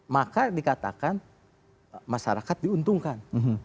maka dikatakan masyarakat diuntungkan